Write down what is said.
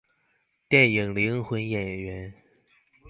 電影靈魂演員